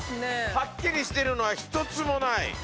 はっきりしてるのは一つもない。